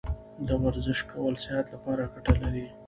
د ورزش کول صحت لپاره ګټه لري.